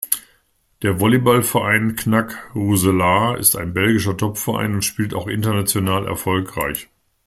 Der Volleyballverein "Knack Roeselare" ist ein belgischer Topverein und spielt auch international erfolgreich.